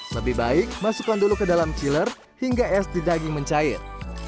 lebih baik masukkan dulu ke dalam chiller hingga es di daging mencair